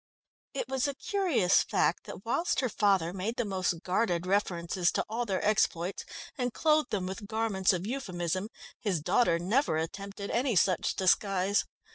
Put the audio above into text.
It was a curious fact that whilst her father made the most guarded references to all their exploits and clothed them with garments of euphemism, his daughter never attempted any such disguise.